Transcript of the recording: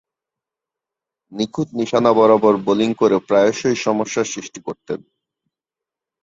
নিখুঁত নিশানা বরাবর বোলিং করে প্রায়শই সমস্যার সৃষ্টি করতেন।